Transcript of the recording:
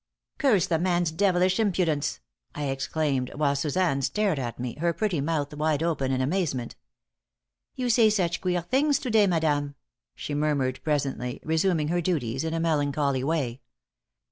"Curse the man's devilish impudence!" I exclaimed, while Suzanne stared at me, her pretty mouth wide open in amazement. "You say such queer things to day, madame!" she murmured, presently, resuming her duties in a melancholy way.